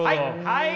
はい！